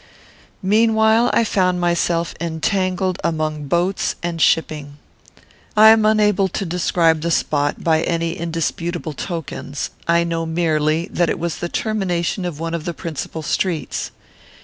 Meanwhile I found myself entangled among boats and shipping. I am unable to describe the spot by any indisputable tokens. I know merely that it was the termination of one of the principal streets.